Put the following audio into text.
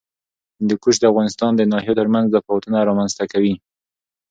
هندوکش د افغانستان د ناحیو ترمنځ تفاوتونه رامنځ ته کوي.